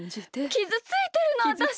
きずついてるのわたし。